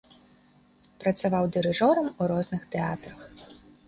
Працаваў дырыжорам у розных тэатрах.